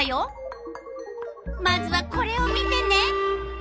まずはこれを見てね。